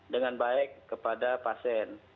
dengan baik kepada pasien